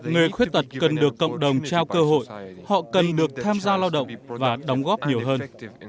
người khuyết tật cần được cộng đồng trao cơ hội họ cần được tham gia lao động và đóng góp nhiều hơn